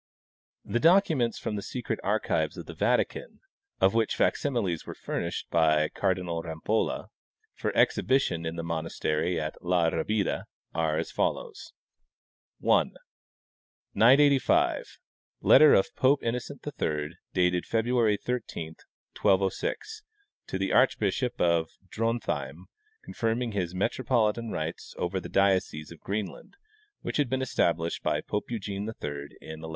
The documents from the secret archives of the Vatican, of which fac similes were furnished by Cardinal Rampolla for ex hibition in the monastery of La Rabida, are as follows : 1. 985. Letter of Pope Innocent III, dated February 13, 1206, to the archbishop of Drontheim, confirming his metropolitan rights over the diocese of Greenland, which had been established by Pope Eugene III in 1148.